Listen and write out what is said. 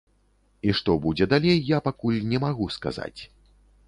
І што будзе далей, я пакуль не магу сказаць.